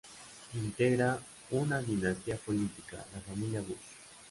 Integra una dinastía política, la familia Bush.